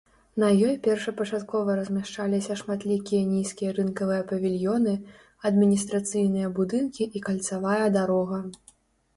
На ёй першапачаткова размяшчаліся шматлікія нізкія рынкавыя павільёны, адміністрацыйныя будынкі і кальцавая дарога.